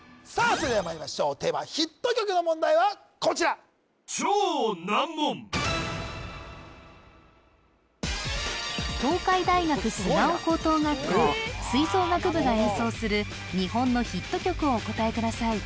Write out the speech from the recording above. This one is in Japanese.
それではまいりましょうテーマヒット曲の問題はこちら東海大学菅生高等学校吹奏楽部が演奏する日本のヒット曲をお答えください